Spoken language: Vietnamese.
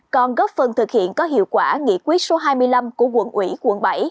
còn góp phần thực hiện có hiệu quả nghị quyết số hai mươi năm của quận ủy quận bảy